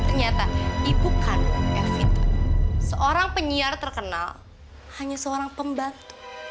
ternyata ibu kandung seorang penyiar terkenal hanya seorang pembantu